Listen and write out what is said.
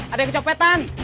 ada yang kecopetan